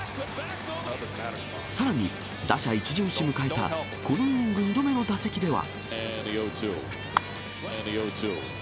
さらに、打者一巡し迎えたこのイニング２度目の打席では。